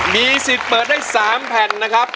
มีสิทธิ์เปิดได้๓แผ่นนะครับ